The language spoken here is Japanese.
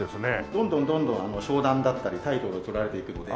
どんどんどんどん昇段だったりタイトルを取られていくので。